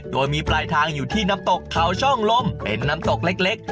โดยมีปลายทางอยู่ที่น้ำตกเขาช่องลมเป็นน้ำตกเล็ก